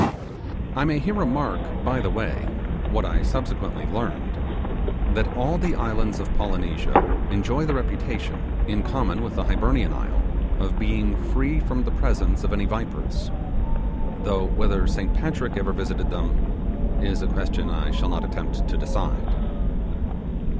I may here remark by the way what I subsequently gleamed that all the islands of Polynesia enjoy the reputation, in common with the Hibernian isle, of being free from the presence of any vipers; though whether Saint Patrick ever visited them, is a question I shall not attempt to decide.